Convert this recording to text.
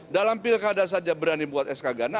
dalam pilkada saja berani buat sk sk ganda